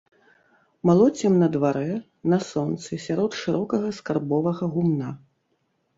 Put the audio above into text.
Малоцім на дварэ, на сонцы, сярод шырокага скарбовага гумна.